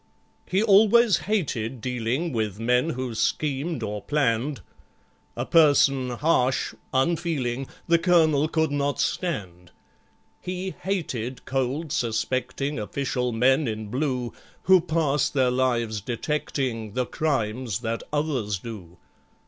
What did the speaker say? He always hated dealing With men who schemed or planned; A person harsh—unfeeling— The Colonel could not stand. He hated cold, suspecting, Official men in blue, Who pass their lives detecting The crimes that others do.